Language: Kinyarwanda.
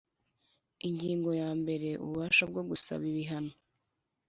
Ingingo ya mbere Ububasha bwo gusaba ibihano